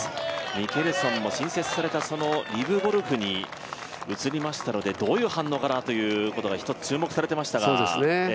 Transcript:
ミケルソンも新設されたリブゴルフに移りましたのでどういう反応かなということがひとつ注目されていましたが。